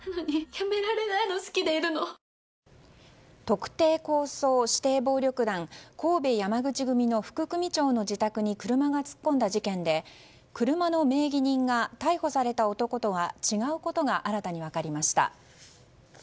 特定抗争指定暴力団神戸山口組の副組長の自宅に車が突っ込んだ事件で車の名義人が逮捕された男とは違うことが新たに分かりました。